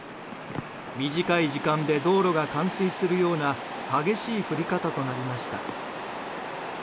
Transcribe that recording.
短い時間で道路が冠水するような激しい降り方となりました。